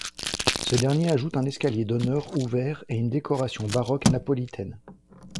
Ce dernier ajoute un escalier d'honneur ouvert et une décoration baroque napolitaine.